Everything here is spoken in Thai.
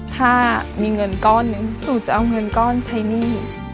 ถ้ามีเงินก้อนหนึ่งหนูจะเอาเงินก้อนใช้หนี้